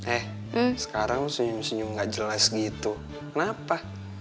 eh sekarang senyum senyum gak jelas gitu kenapa